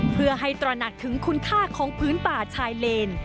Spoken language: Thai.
เพื่อให้ตระหนักถึงคุณค่าของพื้นป่าชายเลน